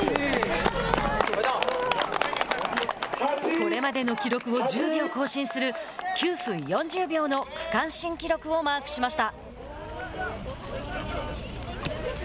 これまでの記録を１０秒更新する９分４０秒の区間新記録をマークしました。